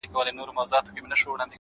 موږه يې ښه وايو پر موږه خو ډير گران دی -